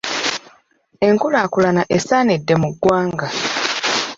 Enkulaakulana esaanidde mu ggwanga.